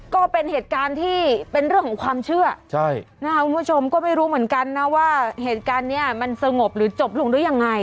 ก็เป็นเหตุการณ์ที่เป็นเรื่องของความเชื่อคุณผู้ชมก็ไม่รู้เหมือนกันนะว่าเหตุการณ์นี้มันสงบหรือจบลงหรือยังไง